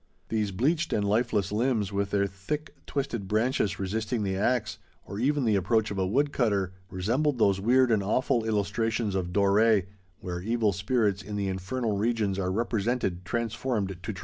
These bleached and lifeless limbs, with their thick, twisted branches resisting the axe, or even the approach of a wood cutter, resembled those weird and awful illustrations of Doré, where evil spirits in the infernal regions are represented transformed to trees.